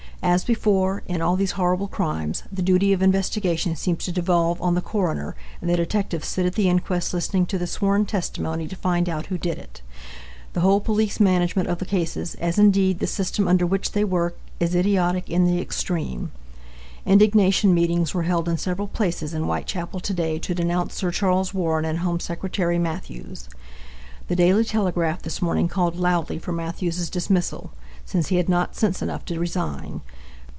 As before, in all these horrible crimes, the duty of investigation seems to devolve on the Coroner, and the detectives sit at the inquest listening to the sworn testimony to find out who did it. The whole police management of the cases, as indeed the system under which they work, is idiotic in the extreme. Indignation meetings were held in several places in Whitechapel to day to denounce Sir Charles Warren and Home Secretary Mathews. The Daily Telegraph this morning called loudly for Mathews's dismissal, since he had not sense enough to resign.